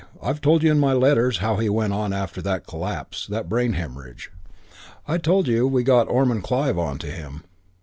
I've told you in my letters how he went on after that collapse, that brain hemorrhage. I told you we got Ormond Clive on to him.